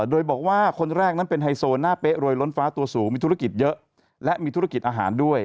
โดยบอกว่าคนแรกนั้นเป็นไฮโซหน้าเป๊ะรวยล้นฟ้าตัวสูงมีธุรกิจเยอะและมีธุรกิจอาหารด้วย